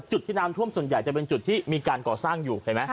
จุดที่น้ำท่วมส่วนใหญ่จะเป็นจุดที่มีการก่อสร้างอยู่เห็นไหม